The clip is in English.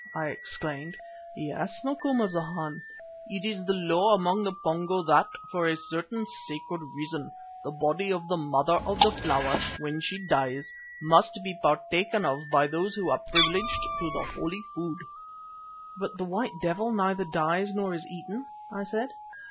I exclaimed. "Yes, Macumazana. It is the law among the Pongo that, for a certain sacred reason, the body of the Mother of the Flower, when she dies, must be partaken of by those who are privileged to the holy food." "But the White Devil neither dies nor is eaten?" I said.